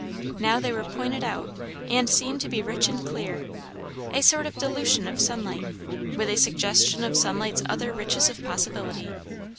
Now they were pointed out and seen to be rich and clear, a sort of dilution of sunlight, with a suggestion of sunlight's other riches of possibility.